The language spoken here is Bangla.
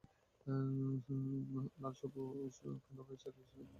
লাল, সবুজ, কালো, খয়েরিসহ নানা রঙের মিশেলে তৈরি কুশন কভারও পাবেন।